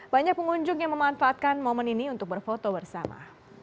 banyak pengunjung yang memanfaatkan momen ini untuk berfoto bersama